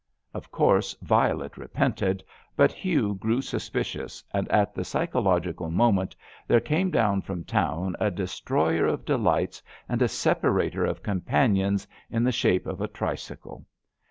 Of course, Violet repented, but Hugh grew suspicious, and at the psychological moment there came down from town a destroyer of de lights and a separator of companions in the shape of a tricycle.